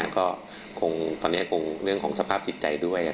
ก็ตอนนี้คงเรื่องของสภาพจิตใจ